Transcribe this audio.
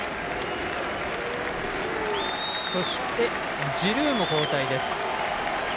そして、ジルーも交代です。